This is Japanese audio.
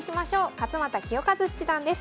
勝又清和七段です。